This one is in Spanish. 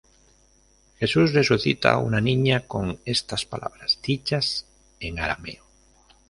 Jesús resucita a una niña con estas palabras dichas en arameo.